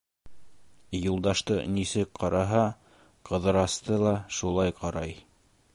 Юлдашты нисек ҡараһа, Ҡыҙырасты ла шулай ҡарай.